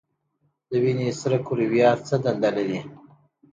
د وینې سره کرویات څه دنده لري؟